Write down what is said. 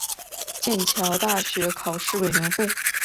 剑桥大学考试委员会